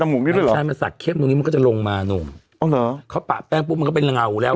มันก็จะลงมาหนูอ๋อเหรอเขาปะแป้งปุ๊บมันก็เป็นเหงาแล้ว